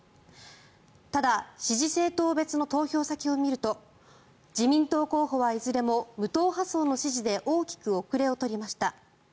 ただ、支持政党別の投票先を見ると自民党候補はいずれも無党派層の支持で大きく後れを取りました。